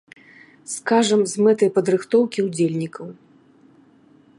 Скажам, з мэтай падрыхтоўкі ўдзельнікаў!